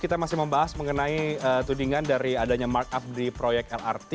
kita masih membahas mengenai tudingan dari adanya markup di proyek lrt